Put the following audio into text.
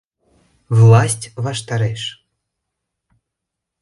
Власть ваштареш!..